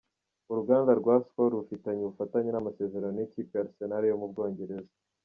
Uruganda rwa Skol rufitanye ubufatanye n’amasezerano n’ikipe ya Arsenal yo mu Bwongereza.